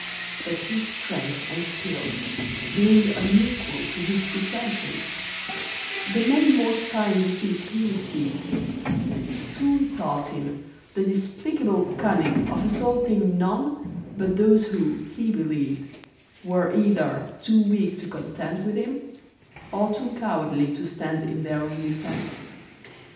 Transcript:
But his strength and skill being unequal to his pretensions, the many mortifying defeats he received, soon taught him the despicable cunning of assaulting none but those, who, he believed, were either too weak to contend with him, or too cowardly to stand in their own defence.